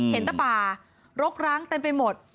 เห็นแต่ป่ารกร้างเต็มไปหมด